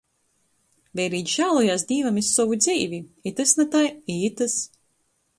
Veirīts žālojās Dīvam iz sovu dzeivi: i tys na tai, i itys.